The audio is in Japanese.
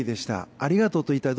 ありがとうと言いたい。